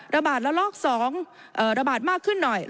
ระบาดระลอก๒ระบาดมากขึ้นหน่อย